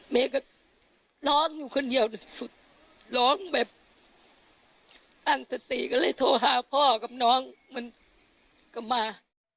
แม่ก็ร้องอยู่คนเดียวสุดร้องแบบตั้งสติก็เลยโทรหาพ่อกับน้องมันกลับมา